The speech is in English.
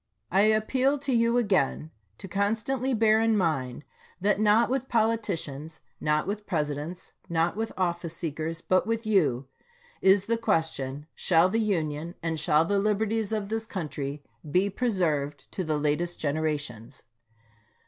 .. I appeal to you again to constantly bear in mind that not with politicians, not with Presidents, not with office seekers, but with you, is the question, Shall the Union 294 ABEAHAM LINCOLN chap. xix. and shall the liberties of this country be preserved to the latest generations.